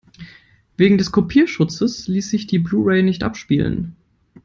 Wegen des Kopierschutzes ließ sich die Blu-ray nicht abspielen.